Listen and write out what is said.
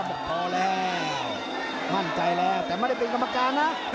บอกพอแล้วมั่นใจแล้วแต่ไม่ได้เป็นกรรมการนะ